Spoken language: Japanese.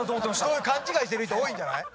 そういう勘違いしてる人多いんじゃない？